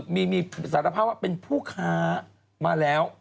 มีสารภาพว่าเป็นผู้ค้ามาแล้ว